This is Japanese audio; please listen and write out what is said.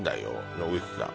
野口さん